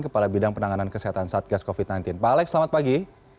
kepala bidang penanganan kesehatan satgas covid sembilan belas pak alex selamat pagi